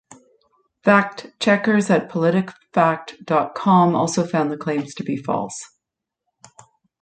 Fact checkers at PolitiFact dot com also found the claims to be false.